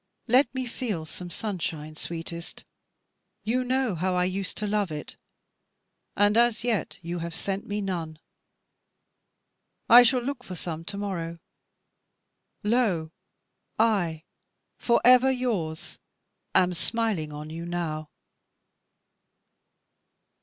Let me feel some sunshine, sweetest; you know how I used to love it, and as yet you have sent me none. I shall look for some to morrow. Lo I, for ever yours, am smiling on you now."